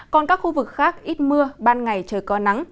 còn các khu vực khác ít mưa ban ngày trời có nắng